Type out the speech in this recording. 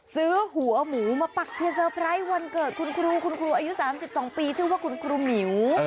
ซื้อหัวหมูมาปักเทเซอร์ไพรส์วันเกิดคุณครูคุณครูอายุ๓๒ปีชื่อว่าคุณครูหมิว